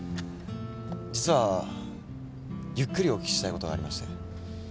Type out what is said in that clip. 実はゆっくりお聞きしたいことがありまして。